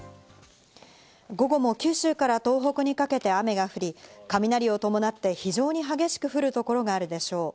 午後も九州から東北にかけて雨が降り、雷を伴って非常に激しく降る所があるでしょう。